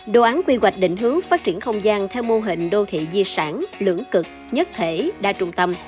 đồ án quy hoạch định hướng phát triển không gian theo mô hình đô thị di sản lưỡng cực nhất thể đa trung tâm